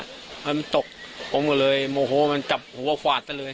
แล้วมันตกผมก็เลยโมโฮมันจับหัวขวาดได้เลย